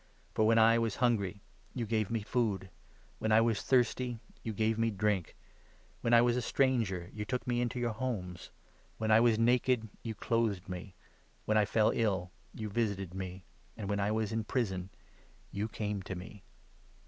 For, when I was 35 hungry, you gave me food ; when I was thirsty, you gave me drink ; when I was a stranger, you took me to your homes ; when I was naked, you clothed me ; when I fell ill, you visited 36 me ; and when I was in prison, you came to me.'